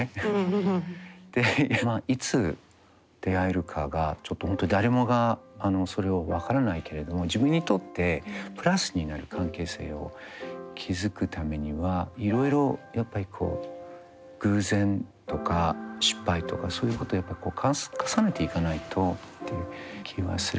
でまあいつ出会えるかがちょっと本当に誰もがそれを分からないけれども自分にとってプラスになる関係性を築くためにはいろいろやっぱり偶然とか失敗とかそういうことをやっぱり重ねていかないとっていう気はするな。